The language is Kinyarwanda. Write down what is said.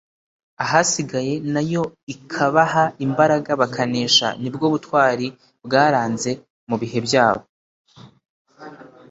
ahasigaye nayo ikabaha imbaraga bakanesha ni bwo butwari bwaranze mu bihe byabo